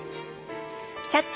「キャッチ！